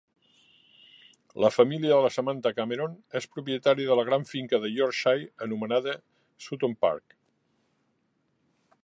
La família de la Samantha Cameron és propietària de la gran finca de Yorkshire anomenada Sutton Park.